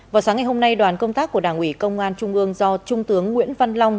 vào sáng ngày hôm nay đoàn công tác của đảng ủy công an trung ương do trung tướng nguyễn văn long